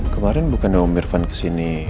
kemarin bukan om irvan kesini